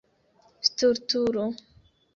stultulo